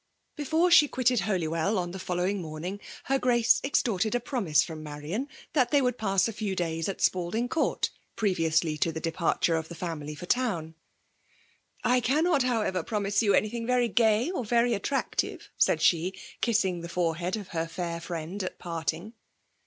Before she quitted Holywell on the follow ing morning, her Grace extorted a promise from Marian that they would pass a few days at Spalding Court, previously to the departure of the family for town. " I cannot, however, promise you anything very gay or very attrac tive," said she, kissing the forehead of her fair firiend at parting.